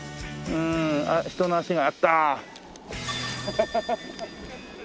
あっ人の足があった！